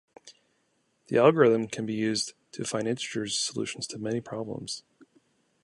The algorithm can be used to find integer solutions to many problems.